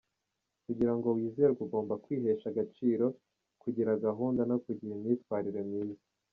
Kugira ngo wizerwe ugomba kwihesha agaciro, kugira gahunda, no kugira imyitwarire myiza.